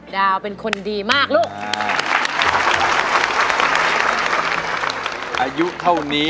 ดาวเป็นคนดีมากลูก